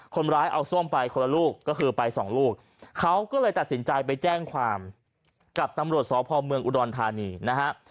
คนร้ายเอาส้มไปคนละลูกก็คือไปสองลูกเขาก็เลยตัดสินใจไปแจ้งความกับตำรวจสพเมืองอุดรธานีนะฮะ